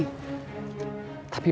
tapi bella bukan anak kecil lagi